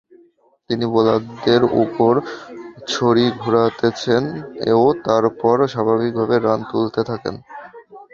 তিনি বোলারদের উপর ছড়ি ঘুরিয়েছেন ও তারপর স্বাভাবিকভাবে রান তুলতে থাকেন।